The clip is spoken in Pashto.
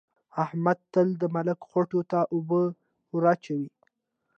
احمد تل د ملک خوټو ته اوبه وراچوي.